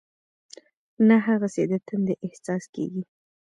نه هغسې د تندې احساس کېږي.